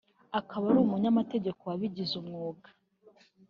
akaba ari umunyamategeko wabigize umwuga